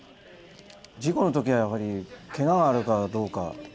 事故の時はやはりケガはあるのかどうか。